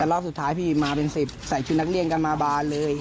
รอบสุดท้ายพี่มาเป็น๑๐ใส่ชุดนักเรียนกันมาบานเลย